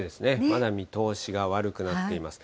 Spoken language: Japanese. まだ見通しが悪くなっています。